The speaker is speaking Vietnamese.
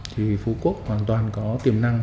thì phú quốc hoàn toàn có tiềm năng